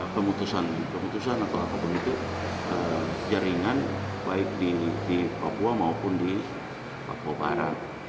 pemutusan atau apapun itu jaringan baik di papua maupun di papua barat